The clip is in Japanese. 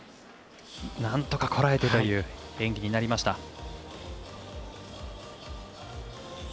なんとか、こらえてという演技になりました。